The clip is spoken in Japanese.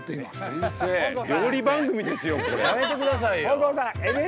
やめて下さいよ。